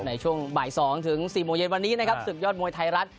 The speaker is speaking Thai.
ในช่วงบ่าย๒ถึง๔โมงเย็นวันนี้นะครับศึกยอดมวยไทยรัฐ